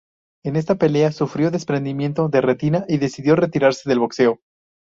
En esta pelea sufrió desprendimiento de retina y decidió retirarse del boxeo.